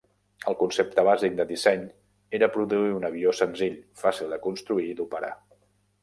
El concepte bàsic de disseny era produir un avió senzill, fàcil de construir i d'operar.